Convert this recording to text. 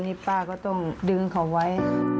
นี่ป้าก็ต้องดึงเขาไว้